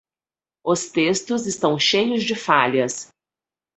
Os textos estão cheios de falhas.